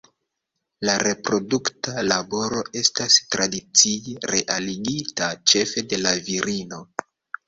La reprodukta laboro estas tradicie realigita ĉefe de la virino.